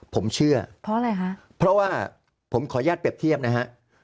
ผมเชื่อเพราะว่าผมขออนุญาตเปรียบเทียบนะฮะ